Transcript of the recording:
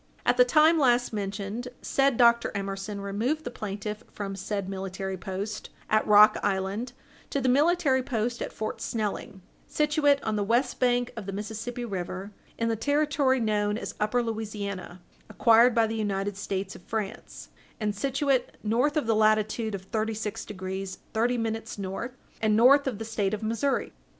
At the time last mentioned, said Dr. Emerson removed the plaintiff from said military post at Rock Island to the military post at Fort Snelling, situate on the west bank of the Mississippi river, in the Territory known as Upper Louisiana, acquired by the United States of France, and situate north of the latitude of thirty six degrees thirty minutes north, and north of the State of Missouri.